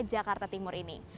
jakarta timur ini